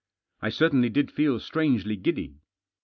I certainly did feel strangely giddy.